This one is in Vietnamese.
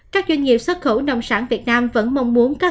các doanh nghiệp xuất khẩu nông sản việt nam vẫn mong muốn các